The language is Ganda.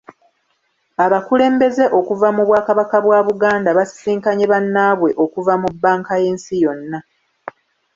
Abakulembeze okuva mu Bwakabaka bwa Buganda basinkanye bannaabwe okuva mu bbanka y’ensi yonna.